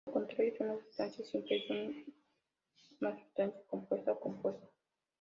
Lo contrario a una sustancia simple es una sustancia compuesta o compuesto.